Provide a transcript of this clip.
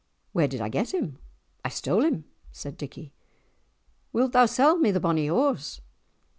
"Where did I get him? I stole him," said Dickie. "Wilt thou sell me the bonny horse?"